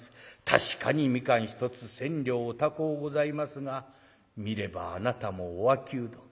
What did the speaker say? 確かに蜜柑一つ千両お高うございますが見ればあなたもお商人。